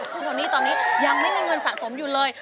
คุณโทนี่ตอนนี้ยังไม่มีเงินสะสมอยู่เลย